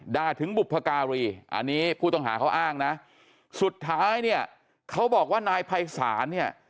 ด่าถึงบุพการีอันนี้ผู้ต้องหาเขาอ้างนะสุดท้ายเนี่ยเขาบอกว่านายภัยศาลเนี่ย